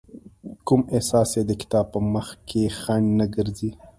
کوم احساس يې د کتاب په مخکې خنډ نه ګرځي.